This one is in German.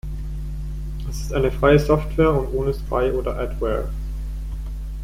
Es ist eine freie Software und ohne Spy- oder Adware.